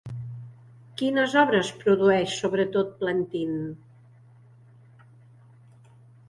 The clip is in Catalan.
Quines obres produeix sobretot Plantin?